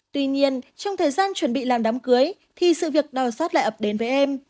tuy nhiên trong thời gian chuẩn bị làm đám cưới thì sự việc đau xót lại ập đến với em